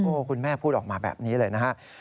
โอ้คุณแม่พูดออกมาแบบนี้เลยนะฮะ